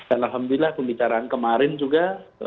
alhamdulillah pembicaraan kemarin juga